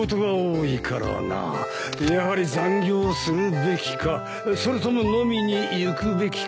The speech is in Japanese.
やはり残業するべきかそれとも飲みに行くべきか。